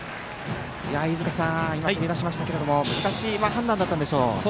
飯塚さん、今、飛び出しましたが難しい判断だったでしょう。